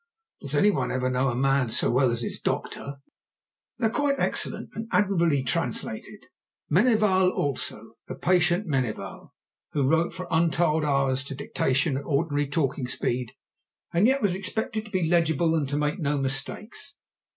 Does any one ever know a man so well as his doctor? They are quite excellent and admirably translated. Meneval also—the patient Meneval—who wrote for untold hours to dictation at ordinary talking speed, and yet was expected to be legible and to make no mistakes.